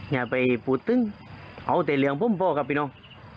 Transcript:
อย่าไปพูดถึงเอาแต่เรื่องผมพ่อกับพี่น้อง